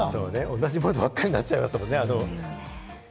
同じものばかりになっちゃいますからね。